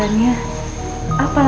kami adalah raja